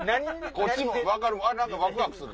こっちもワクワクする。